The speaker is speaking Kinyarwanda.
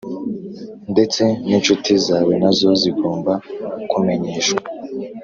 ndetse ninshuti zawe nazo zigomba kumenyeshwa